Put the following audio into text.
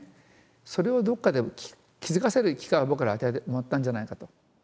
それをどっかで気付かせる機会を僕らは与えてもらったんじゃないかと。